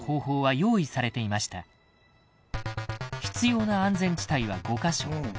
「必要な安全地帯は５か所」